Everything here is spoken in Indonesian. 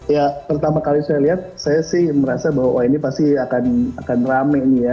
ya pertama kali saya lihat saya sih merasa bahwa ini pasti akan rame ini ya